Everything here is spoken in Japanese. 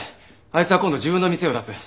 あいつは今度自分の店を出す。